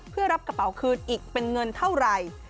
เพื่อรับกระเป๋าคืนอีกเป็นเงินเท่าไหร่